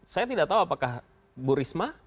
saya tidak tahu apakah bu risma